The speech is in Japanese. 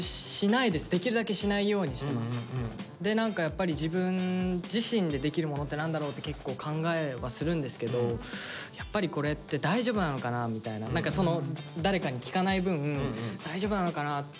で何かやっぱり自分自身でできるものって何だろうって結構考えはするんですけどやっぱりこれって大丈夫なのかなみたいなその誰かに聞かない分